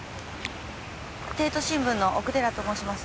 帝都新聞の奥寺と申します。